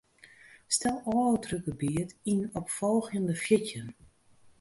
Stel ôfdrukgebiet yn op folgjende fjirtjin.